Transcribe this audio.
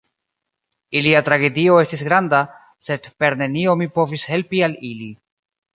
Ilia tragedio estis granda, sed per nenio mi povis helpi al ili.